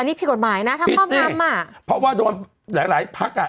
นี่ผิดกฎหมายนะถ้าครอบงำอ่ะเพราะว่าโดนหลายหลายพักอ่ะ